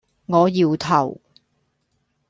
我搖頭